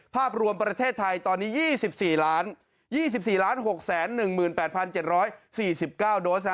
ภาพรวมประเทศไทยตอนนี้๒๔๒๔๖๑๘๗๔๙โดส